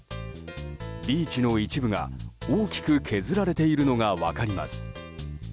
ビーチの一部が大きく削られているのが分かります。